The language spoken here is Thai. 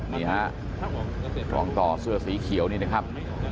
นี่ฮะรองต่อเสื้อสีเขียวนี่นะครับ